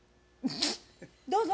どうぞ。